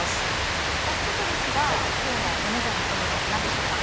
早速ですが今日のおめざのひと言何でしょうか？